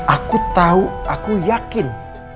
aku tahu aku yakin